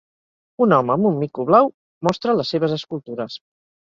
Un home amb un mico blau mostra les seves escultures.